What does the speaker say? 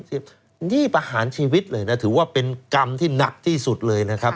นี่ประหารชีวิตเลยนะถือว่าเป็นกรรมที่หนักที่สุดเลยนะครับ